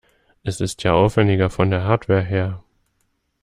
Es ist ja aufwendiger von der Hardware her.